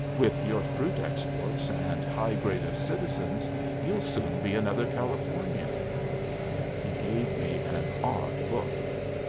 "With your fruit exports and high grade of citizens you'll soon be another California." He gave me an odd look.